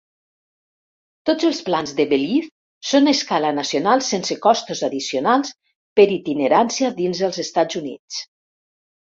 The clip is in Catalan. Tots els plans de Belief són a escala nacional sense costos addicionals per itinerància dins els Estats Units.